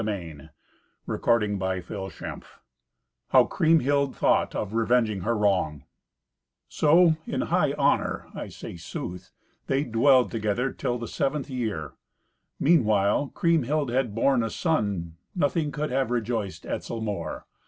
Twenty Third Adventure How Kriemhild Thought of Revenging Her Wrong So, in high honour (I say sooth), they dwelled together till the seventh year. Meanwhile Kriemhild had borne a son. Nothing could have rejoiced Etzel more.